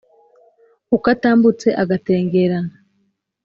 uko atambutse agatengerana